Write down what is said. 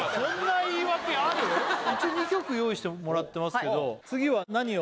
一応２曲用意してもらってますけど次は何を？